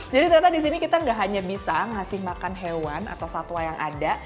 jadi ternyata disini kita gak hanya bisa ngasih makan hewan atau satwa yang ada